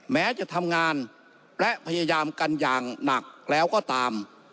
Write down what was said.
แม้จะทำงานและพยายามกันอย่างหนักแล้วก็ตาม